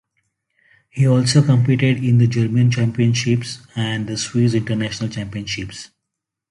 He also competed in the German Championships and the Swiss International Championships.